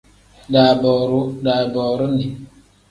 Daabooruu pl: daaboorini n.